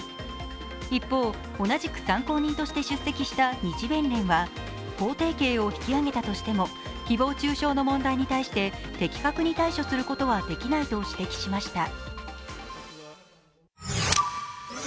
一方、同じく参考人として出席した日弁連は法定刑を引き上げたとしても誹謗中傷の問題に対して的確に対処することはできないと指摘しました。